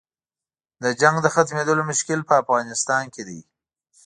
د جنګ د ختمېدلو مشکل په افغانستان کې دی.